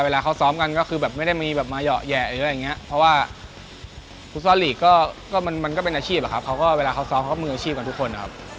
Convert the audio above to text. เวลาเขาซ้อปเขามันมีผู้ชอบอาชีพกับทุกคน